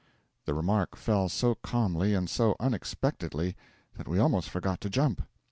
'The remark fell so calmly and so unexpectedly that we almost forgot to jump.